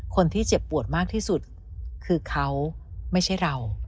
เจ็บปวดมากที่สุดคือเขาไม่ใช่เรา